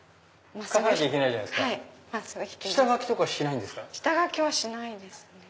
下書きはしないですね。